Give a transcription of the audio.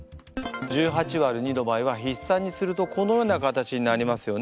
１８÷２の場合はひっ算にするとこのような形になりますよね。